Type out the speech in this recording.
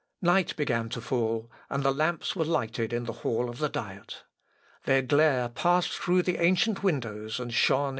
Night began to fall, and the lamps were lighted in the hall of the Diet. Their glare passed through the ancient windows and shone into the court.